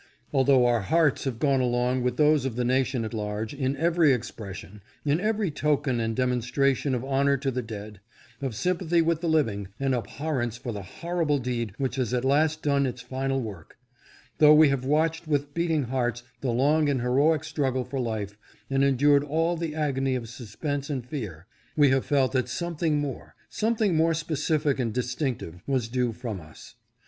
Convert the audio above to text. Although our hearts have gone along with those of the nation at large, in every expression, in every token and demonstration of honor to the dead, of sym pathy with the living, and abhorrence for the horrible deed which has at last done its final work ; though we have watched with beating hearts the long and heroic struggle for life, and endured all the agony of suspense HIS RECOGNITION OF EIGHTS OF COLORED CITIZENS. 579 and fear ; we have felt that something more, something more specific and distinctive, was due from us.